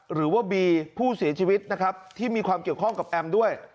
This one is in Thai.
หรือว่าบีผู้เสียชีวิตนะครับที่มีความเกี่ยวข้องกับแอมด้วย